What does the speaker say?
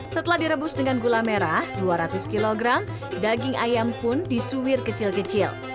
setelah direbus dengan gula merah dua ratus kg daging ayam pun disuwir kecil kecil